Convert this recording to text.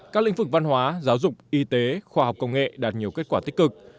các lĩnh vực văn hóa giáo dục y tế khoa học công nghệ đạt nhiều kết quả tích cực